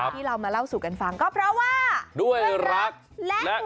ที่เรามาเล่าสู่กันฟังก็เพราะว่าด้วยรักและ